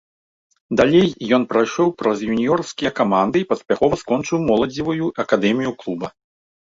Далей ён прайшоў праз юніёрскія каманды і паспяхова скончыў моладзевую акадэмію клуба.